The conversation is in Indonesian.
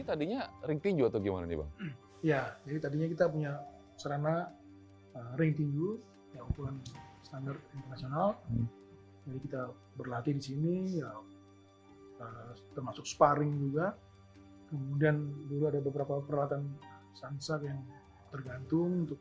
ada beberapa peralatan sansak yang tergantung